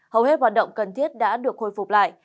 hầu hết hoạt động cần thiết đã được khôi phục lại